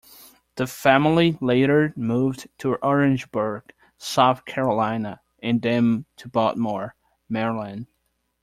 The family later moved to Orangeburg, South Carolina, and then to Baltimore, Maryland.